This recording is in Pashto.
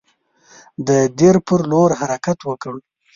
د دیر پر لور حرکت وکړ.